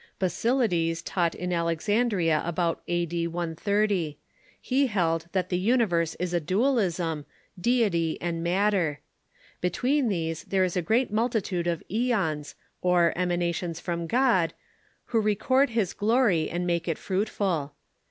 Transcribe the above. Basilides taught in Alexandria about a.d. 130. He held that the universe is a dualism — deity and matter. Between these there is a great multitude of oeons, or emanations from God, who record his glory and make it fruitful.